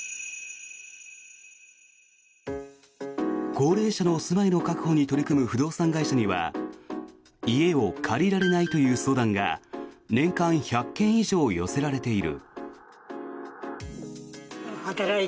高齢者の住まいの確保に取り組む不動産会社には家を借りられないという相談が年間１００件以上寄せられている。